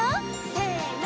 せの！